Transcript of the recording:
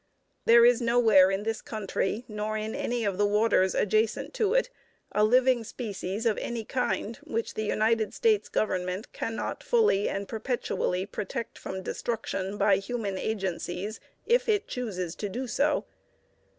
There is nowhere in this country, nor in any of the waters adjacent to it, a living species of any kind which the United States Government can not fully and perpetually protect from destruction by human agencies if it chooses to do so.